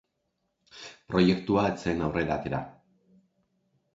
Proiektua ez zen aurrera atera.